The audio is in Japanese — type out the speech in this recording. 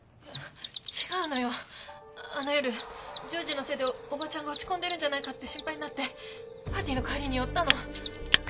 違うのよあの夜譲士のせいでおばちゃんが落ち込んでるんじゃないかって心配になってパーティーの帰りに寄ったの。